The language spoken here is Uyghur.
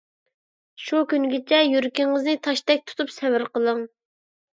شۇ كۈنگىچە يۈرىكىڭىزنى تاشتەك تۇتۇپ سەۋر قىلىڭ!